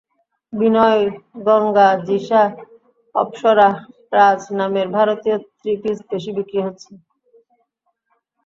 বিনয়, গঙ্গা, জিসা, অপ্সরা, রাজ নামের ভারতীয় থ্রি-পিস বেশি বিক্রি হচ্ছে।